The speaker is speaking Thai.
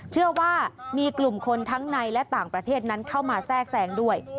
เชื่อว่ามีกลุ่มคนทั้งในและต่างประเทศนั้นเข้ามาแทรกแซงด้วย